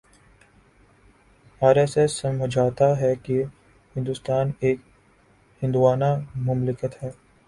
are S S سمجھتا ہے کہ ہندوستان ایک ہندووانہ مملکت ہے